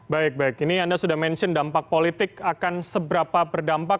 baik baik ini anda sudah mention dampak politik akan seberapa berdampak